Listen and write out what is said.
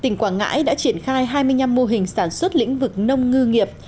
tỉnh quảng ngãi đã triển khai hai mươi năm mô hình sản xuất lĩnh vực nông ngư nghiệp